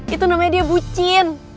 itu namanya dia bu cin